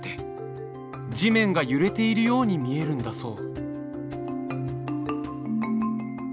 地面が揺れているように見えるんだそう。